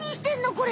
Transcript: これ！